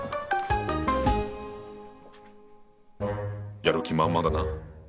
やる気満々だな。